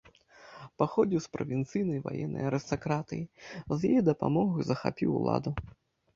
Паходзіў з правінцыйнай ваеннай арыстакратыі, з яе дапамогаю захапіў уладу.